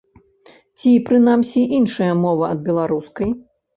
Ці, прынамсі, іншая мова ад беларускай.